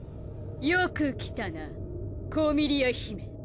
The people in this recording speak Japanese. よく来たなコミリア姫。